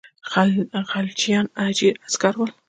خلجیان اجیر عسکر ول.